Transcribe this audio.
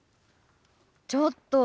ちょっと！